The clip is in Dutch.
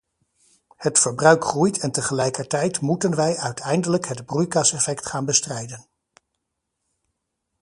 Het verbruik groeit en tegelijkertijd moeten wij uiteindelijk het broeikaseffect gaan bestrijden.